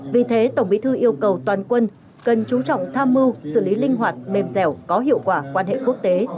vì thế tổng bí thư yêu cầu toàn quân cần chú trọng tham mưu xử lý linh hoạt mềm dẻo có hiệu quả quan hệ quốc tế